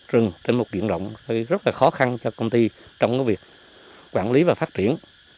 rừng trên một diện động rất là khó khăn cho công ty trong việc quản lý và phát triển